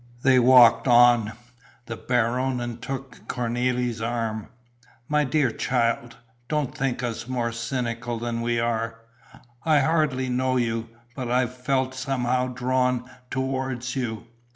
They walked on. The Baronin took Cornélie's arm: "My dear child, don't think us more cynical than we are. I hardly know you, but I've felt somehow drawn towards you.